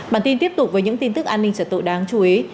bản tin tiếp tục với những tin tức an ninh trật tự đáng chú ý